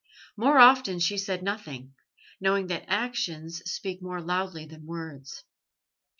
More often she said nothing, knowing that actions speak more loudly than words.